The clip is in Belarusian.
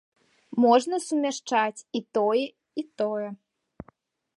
Можна сумяшчаць і тое, і тое.